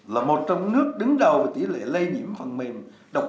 là một trong nước đứng đầu với tỷ lệ lây nhiễm phần mềm độc cao